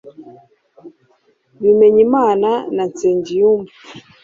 bimenyimana na nsengiyumva